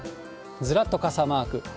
ずらっと傘マーク。